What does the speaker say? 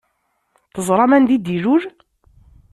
Teẓṛam anda i d-ilul?